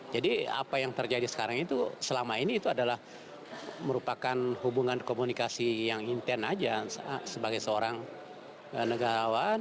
jadi apa yang terjadi sekarang itu selama ini itu adalah merupakan hubungan komunikasi yang intent aja sebagai seorang negawan